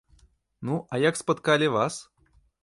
Ну, а як спаткалі вас?